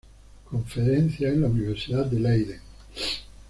Conferencia en la Universidad de Leiden